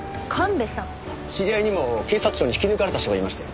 知り合いにも警察庁に引き抜かれた人がいまして。